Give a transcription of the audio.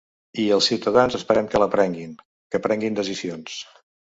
I els ciutadans esperem que la prenguin, que prenguin decisions.